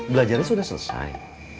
belajarnya sudah selesai